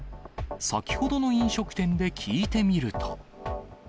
先ほどの飲食店で聞いてみると。